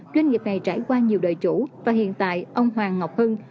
doanh nghiệp này trải qua nhiều đời chủ và hiện tại ông hoàng ngọc hưng